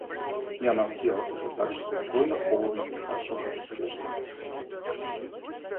И она спела это так же спокойно, холодно и хорошо, как и прежде.